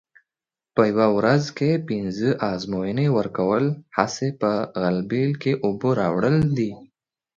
په یوه ورځ کې پینځه ازموینې ورکول هسې په غلبېل کې اوبه راوړل دي.